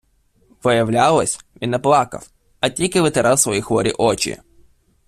Виявлялось - він не плакав, а тільки витирав свої хворі очі!..